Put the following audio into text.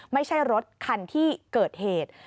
ไม่ใช่รถคันที่เกิดเหตุ